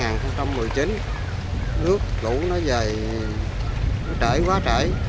năm hai nghìn một mươi chín nước lũ nó về nó trễ quá trễ